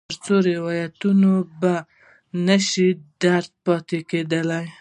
تر څو روایت بدل نه شي، درد پاتې کېږي.